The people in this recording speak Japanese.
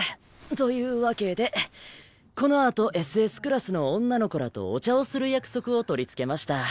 というわけでこのあとＳＳクラスの女の子らとお茶をする約束を取り付けました。